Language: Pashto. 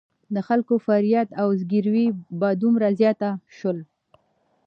د خلکو فریاد او زګېروي به دومره زیات شول.